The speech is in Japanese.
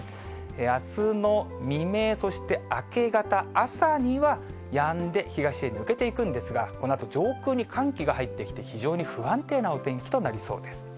あすの未明、そして明け方、朝にはやんで、東へ抜けていくんですが、このあと上空に寒気が入ってきて、非常に不安定なお天気となりそうです。